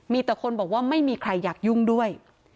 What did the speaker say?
มีแต่คนบอกว่าไม่มีใครอยากยุ่งด้วย